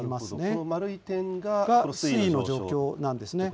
この丸い点が水位の状況なんです。